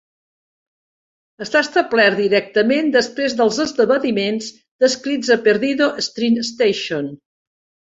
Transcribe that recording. Està establert directament després dels esdeveniments descrits a "Perdido Street Station".